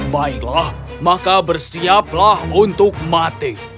baiklah maka bersiaplah untuk mati